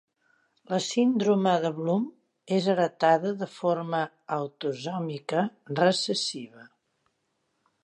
La síndrome de Bloom és heretada de forma autosòmica recessiva.